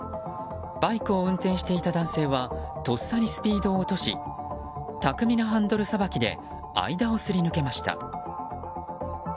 バイクを運転していた男性はとっさにスピードを落とし巧みなハンドルさばきで間をすり抜けました。